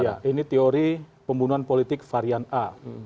ya ini teori pembunuhan politik varian a